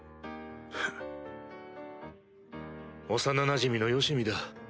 幼なじみのよしみだ。